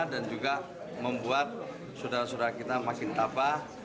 dan juga membuat saudara saudara kita makin tapah